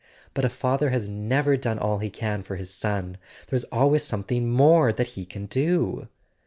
But a father has never done all he can for his son! There's always something more that he can do!"